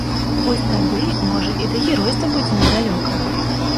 Вось тады, можа, і да геройства будзе недалёка!